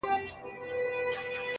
البته اتفاق شونی دی